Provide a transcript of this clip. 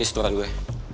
ini setoran gue